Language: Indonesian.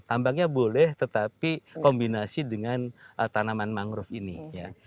tambangnya boleh tetapi kombinasi dengan tanaman mangrove ini ya